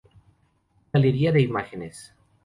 Galería de imágenes